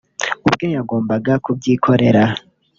ubwe yagombaga kubyikorera